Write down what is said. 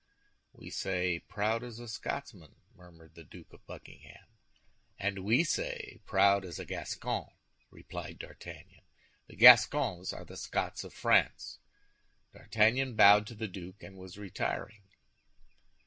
"We say, 'Proud as a Scotsman,'" murmured the Duke of Buckingham. "And we say, 'Proud as a Gascon,'" replied D'Artagnan. "The Gascons are the Scots of France." D'Artagnan bowed to the duke, and was retiring.